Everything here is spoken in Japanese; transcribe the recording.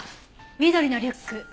緑のリュック。